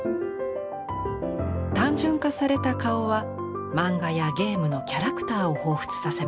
単純化された顔は漫画やゲームのキャラクターを彷彿させます。